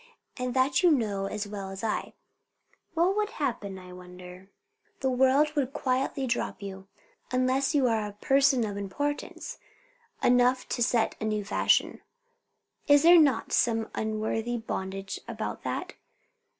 And that you know as well as I." "What would happen, I wonder?" "The world would quietly drop you. Unless you are a person of importance enough to set a new fashion." "Is there not some unworthy bondage about that?"